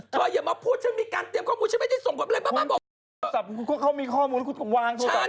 เธออย่ามาพูดฉันมีการเตรียมข้อมูล